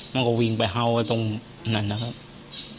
มันก็วิ่งไปเฮาไว้ตรงนั้นนะครับ